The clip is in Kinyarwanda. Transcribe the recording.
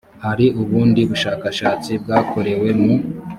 hari ubundi bushakashatsi bwakorewe mu